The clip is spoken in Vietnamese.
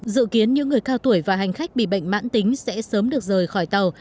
dự kiến những người cao tuổi và hành khách bị bệnh mãn tính sẽ sớm được rời khỏi tàu